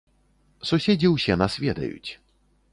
Суседзі ўсе нас ведаюць.